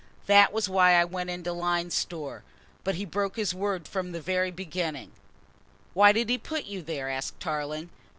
That was why I went into Lyne's Store, but he broke his word from the very beginning." "Why did he put you there?" asked Tarling.